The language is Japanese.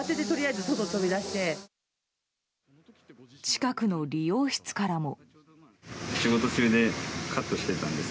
近くの理容室からも。